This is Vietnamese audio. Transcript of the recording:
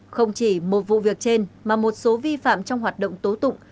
không chỉ một vụ việc trên mà một số vi phạm trong hoạt động tố tụng